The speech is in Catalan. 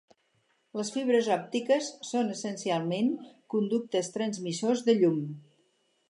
Les fibres òptiques són, essencialment, conductes transmissors de llum.